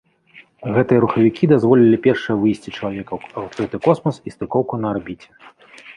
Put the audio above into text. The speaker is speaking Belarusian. Гэтыя рухавікі дазволілі першае выйсце чалавека ў адкрыты космас і стыкоўку на арбіце.